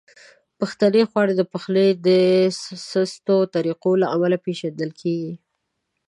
پښتني خواړه د پخلي د سستو طریقو له امله پیژندل کیږي.